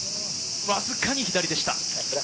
わずかに左でした。